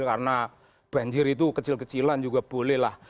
karena banjir itu kecil kecilan juga bolehlah